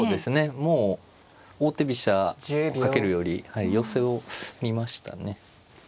もう王手飛車をかけるより寄せを見ましたね。